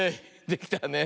できたね。